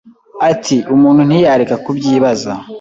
Ati: "Umuntu ntiyareka kubyibaza